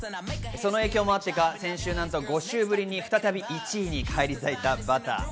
その影響もあってか先週５週ぶりに再び１位に返り咲いた『Ｂｕｔｔｅｒ』。